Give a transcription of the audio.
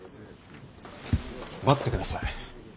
待ってください。